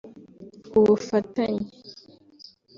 ubufatanye